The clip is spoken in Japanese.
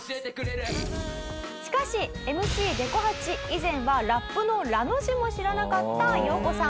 しかしＭＣでこ八以前はラップのラの字も知らなかったヨウコさん。